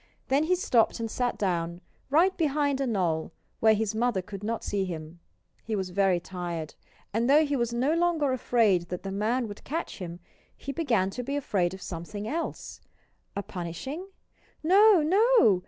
Then he stopped and sat down, right behind a knoll, where his mother could not see him. He was very tired. And though he was no longer afraid that the man would catch him, he began to be afraid of something else.... A punishing? No no!